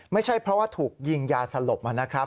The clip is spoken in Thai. ไม่ใช่เพราะว่าถูกยิงยาสลบนะครับ